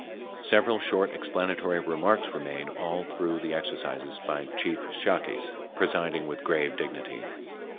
Several short explanatory remarks were made all through the exercises by Chief Shakes, presiding with grave dignity.